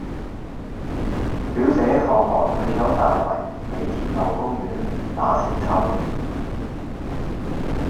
表姐放學去左大圍美田路公園打韆鞦